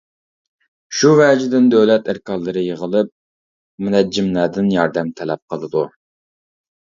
شۇ ۋەجىدىن دۆلەت ئەركانلىرى يىغىلىپ، مۇنەججىملەردىن ياردەم تەلەپ قىلىدۇ.